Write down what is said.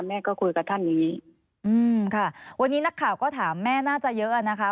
แม่ก็คุยกับท่านนี้อืมค่ะวันนี้นักข่าวก็ถามแม่น่าจะเยอะอะนะคะ